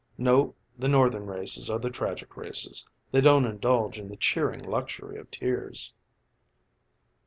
"No, the Northern races are the tragic races they don't indulge in the cheering luxury of tears."